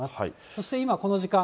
そして今、この時間。